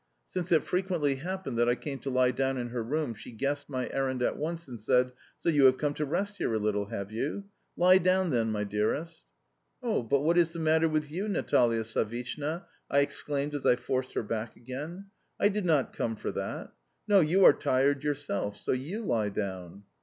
Since it frequently happened that I came to lie down in her room, she guessed my errand at once, and said: "So you have come to rest here a little, have you? Lie down, then, my dearest." "Oh, but what is the matter with you, Natalia Savishna?" I exclaimed as I forced her back again. "I did not come for that. No, you are tired yourself, so you LIE down."